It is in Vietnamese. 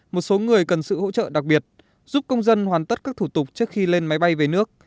một số người cần sự hỗ trợ đặc biệt giúp công dân hoàn tất các thủ tục trước khi lên máy bay về nước